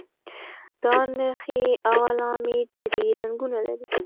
دا نښې او علامې درې رنګونه لري.